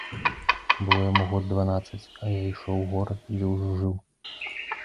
Было яму год дванаццаць, а я ішоў у горад, дзе ўжо жыў.